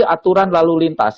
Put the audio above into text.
aturan lalu lintas